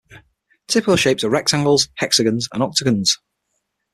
Typical shapes are rectangles, hexagons, and octagons.